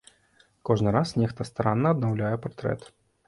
Кожны раз нехта старанна аднаўляў партрэт.